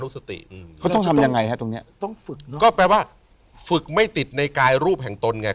ซุ่มก็แปลว่าฝึกไม่ใต่ในกายรูปแห่งตนเนี่ย